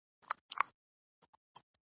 احمد تر اوسه پر هغه زاړه اودس دی.